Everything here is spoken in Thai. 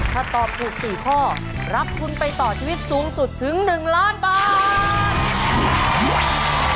ถ้าตอบถูก๔ข้อรับทุนไปต่อชีวิตสูงสุดถึง๑ล้านบาท